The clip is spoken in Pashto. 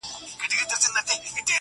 دا زه څومره بېخبره وم له خدایه!